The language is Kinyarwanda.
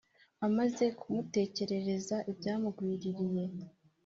amaze kumutekerereza ibyamugwiririye,